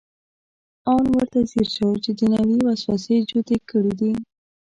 ان ورته ځیر شو چې دنیوي وسوسې جوتې کړې دي.